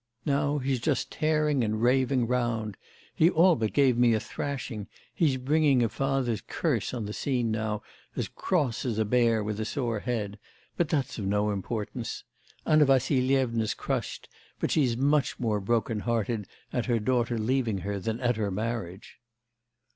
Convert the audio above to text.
Now he's just tearing and raving round; he all but gave me a thrashing, he's bringing a father's curse on the scene now, as cross as a bear with a sore head; but that's of no importance. Anna Vassilyevna's crushed, but she's much more brokenhearted at her daughter leaving her than at her marriage.